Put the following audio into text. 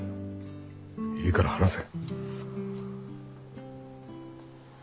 いいから話せ。